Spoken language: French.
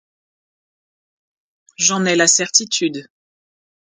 J’en ai la certitude.